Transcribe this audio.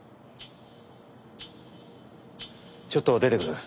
ちょっと出てくる。